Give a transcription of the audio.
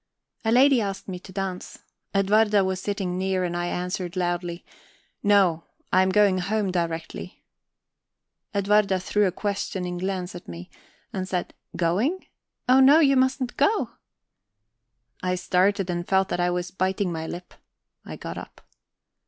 A lady asked me to dance. Edwarda was sitting near, and I answered loudly: "No; I am going home directly." Edwarda threw a questioning glance at me, and said: "Going? Oh, no, you mustn't go." I started, and felt that I was biting my lip. I got up.